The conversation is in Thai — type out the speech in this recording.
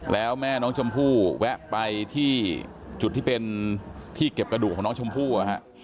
แล้วแม่น้องชมพู่แวะไปที่จุดที่เป็นที่เก็บกระดูกของน้องชมพู่